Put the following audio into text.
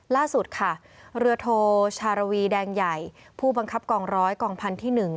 ล่าสุดค่ะเรือโทชารวีแดงใหญ่ผู้บังคับกองร้อยกองพันที่๑